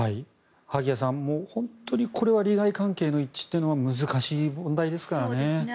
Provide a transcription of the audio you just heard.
萩谷さん、本当にこれは利害関係の一致というのは難しい問題ですからね。